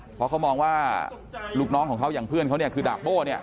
เพราะเขามองว่าลูกน้องของเขาอย่างเพื่อนเขาคือดาโภ